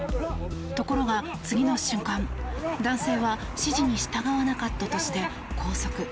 ところが次の瞬間、男性は指示に従わなかったとして拘束。